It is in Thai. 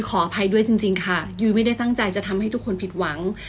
อภัยด้วยจริงค่ะยุ้ยไม่ได้ตั้งใจจะทำให้ทุกคนผิดหวัง